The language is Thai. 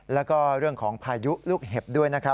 แล้วก็เรื่องของพายุลูกเห็บด้วยนะครับ